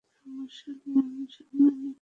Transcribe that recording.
সমস্যা নেই, আমি সামলে নিব।